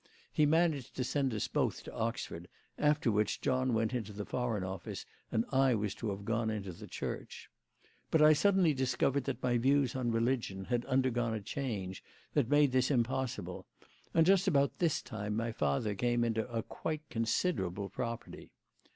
He managed to send us both to Oxford, after which John went into the Foreign Office and I was to have gone into the Church. But I suddenly discovered that my views on religion had undergone a change that made this impossible, and just about this time my father came into a quite considerable property.